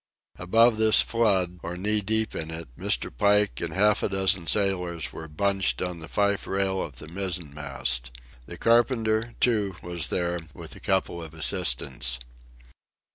Above this flood, or knee deep in it, Mr. Pike and half a dozen sailors were bunched on the fife rail of the mizzen mast. The carpenter, too, was there, with a couple of assistants.